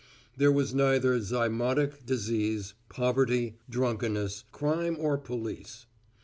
There was neither zymotic disease, poverty, drunkenness, crime or police.